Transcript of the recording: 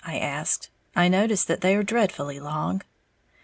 I asked; "I notice that they are dreadfully long."